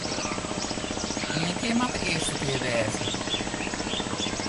Ien kear moat de earste kear wêze.